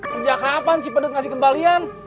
sejak kapan si pedet ngasih kembalian